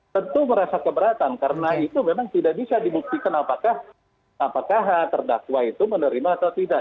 tentu merasa keberatan karena itu memang tidak bisa dibuktikan apakah terdakwa itu menerima atau tidak